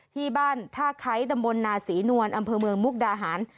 ที่บ้านท่าไคร้ตำบลนาศรีนวลอำเภอเมืองมุกดาหาร